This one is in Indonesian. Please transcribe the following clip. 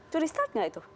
curi start gak itu